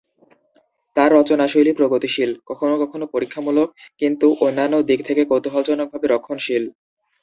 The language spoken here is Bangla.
তাঁর রচনাশৈলী প্রগতিশীল, কখনও কখনও পরীক্ষামূলক, কিন্তু অন্যান্য দিক থেকে কৌতূহলজনকভাবে রক্ষণশীল।